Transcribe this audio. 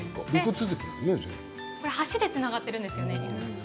橋でつながっているんです。